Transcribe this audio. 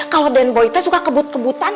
kalo den boy itu suka kebut kebutan